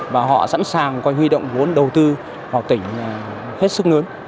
và họ sẵn sàng coi huy động vốn đầu tư vào tỉnh hết sức nướng